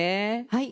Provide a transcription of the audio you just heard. はい。